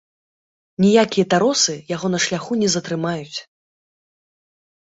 Ніякія таросы яго на шляху не затрымаюць.